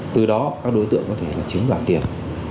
từ đó các đối tượng có thể là chiếm đoạt tiền